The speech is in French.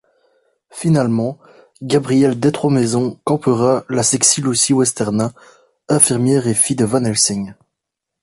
Finalement, Gabrielle Destroismaisons campera la sexy Lucy Westerna, infirmière et fille de Van Helsing.